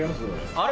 あれ。